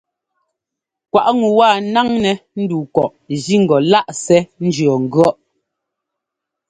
Kwaꞌ ŋu wa ńnáŋnɛ́ ndu kɔꞌ jí ŋgɔ láꞌ sɛ́ ńjʉɔ́ŋgʉ̈ɔ́ꞌ.